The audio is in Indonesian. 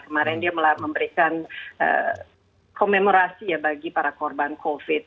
kemarin dia memberikan komerasi ya bagi para korban covid